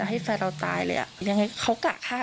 เพียงเพราะรอซื้อหมู๒กิโลกรัม